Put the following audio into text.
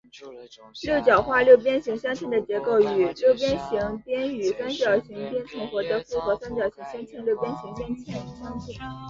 六角化六边形镶嵌的结构与六边形边与三角形边重合的复合三角形镶嵌六边形镶嵌相近。